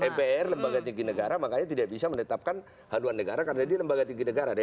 mpr lembaga tinggi negara makanya tidak bisa menetapkan haluan negara karena dia lembaga tinggi negara